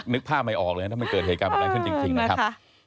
นึกภาพไม่ออกเลยนะถ้ามันเกิดเหตุการณ์แบบนั้นขึ้นจริงนะครับ